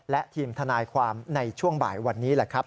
และทีมทนายความในช่วงบ่ายวันนี้แหละครับ